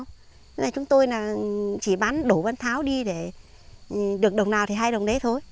thế này chúng tôi chỉ bán đổ văn tháo đi để được đồng nào thì hai đồng đấy thôi